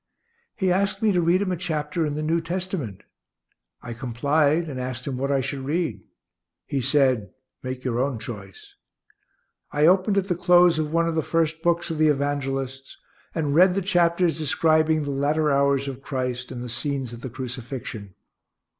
He asked me to read him a chapter in the New Testament. I complied and asked him what I should read. He said, "Make your own choice." I opened at the close of one of the first books of the Evangelists, and read the chapters describing the latter hours of Christ and the scenes at the crucifixion.